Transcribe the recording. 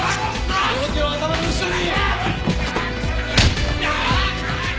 両手を頭の後ろに！